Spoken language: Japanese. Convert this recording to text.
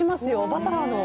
バターの。